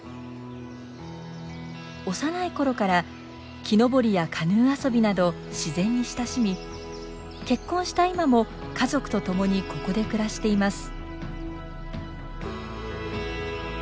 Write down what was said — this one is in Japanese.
幼いころから木登りやカヌー遊びなど自然に親しみ結婚した今も家族と共にここで暮らしています。